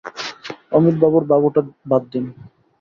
অমিতবাবুর বাবুটা বাদ দিন।